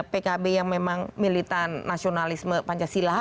pkb yang memang militan nasionalisme pancasila